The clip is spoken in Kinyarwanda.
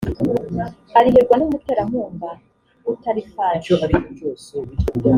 arihirwa n umuterankunga utari farg